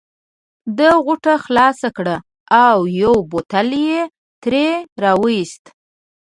ده غوټه خلاصه کړه او یو بوتل یې ترې را وایست.